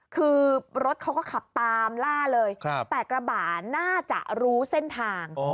คือรถเขาก็ขับตามล่าเลยแต่กระบะน่าจะรู้เส้นทาง